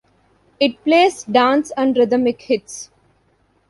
It plays Dance and Rhythmic Hits.